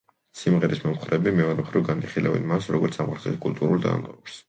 სიმღერის მომხრეები, მეორე მხრივ, განიხილავენ მას, როგორც სამხრეთის კულტურულ დანატოვარს.